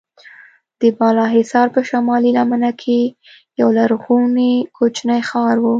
د بالاحصار په شمالي لمنه کې یو لرغونی کوچنی ښار و.